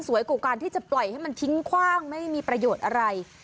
กว่าการที่จะปล่อยให้มันทิ้งคว่างไม่มีประโยชน์อะไร